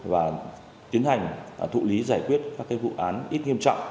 và tiến hành thụ lý giải quyết các vụ án ít nghiêm trọng